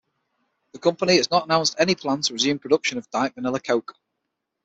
The company has not announced any plan to resume production of Diet Vanilla Coke.